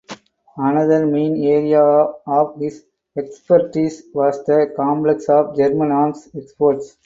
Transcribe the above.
Another main area of his expertise was the complex of German arms exports.